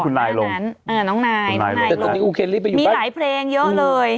เออน้องนายน้องนายลงแต่ตอนนี้อู๋เคลรี่ไปอยู่บ้านมีหลายเพลงเยอะเลย